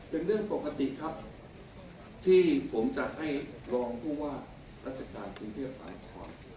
เป็นเรื่องปกติครับที่ผมจะให้รองผู้ว่าราชการกรุงเทพมหานคร